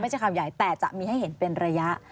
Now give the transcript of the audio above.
ข่าวใหญ่แต่จะมีให้เห็นเป็นระยะ